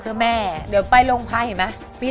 เพื่อแม่เดี๋ยวไปโรงพักเห็นไหม